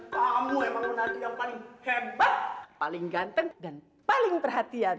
tanya tanya kamu emang lu nanti yang paling hebat paling ganteng dan paling perhatian